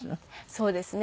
そうですね。